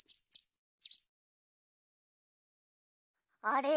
あれ？